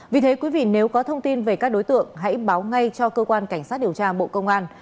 vì thế quý vị nếu có thông tin về các đối tượng hãy báo ngay cho cơ quan cảnh sát điều tra bộ công an